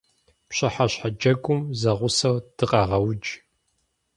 Пщыхьэщхьэ джэгум зэгъусэу дыкъэгъэудж.